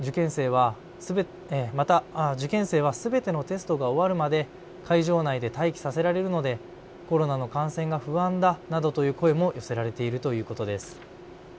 また受験生はすべてのテストが終わるまで会場内で待機させられるのでコロナの感染が不安だなどという声も寄せられているということです。